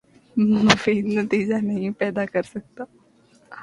مفید نتیجہ نہیں پیدا کر سکتا